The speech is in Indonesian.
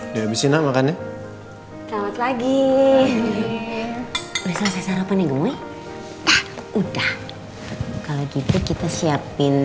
habisnya makannya selamat lagi selesai sarapan ya udah kalau gitu kita siapin